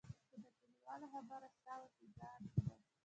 خو د کلیوالو خبره ساه او ټیکا وم.